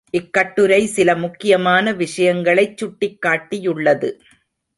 இக்கட்டுரை சில முக்கியமான விஷயங்களைச் சுட்டிக் காட்டியுள்ளது.